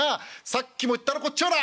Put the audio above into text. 『さっきも言ったろこっちはだ